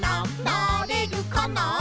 なれるかな？」